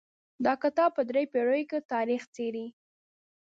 دا کتاب په درې پېړیو کې تاریخ څیړي.